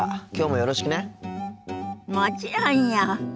もちろんよ。